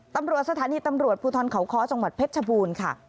สถานีตำรวจภูทรเขาค้อจังหวัดเพชรชบูรณ์ค่ะ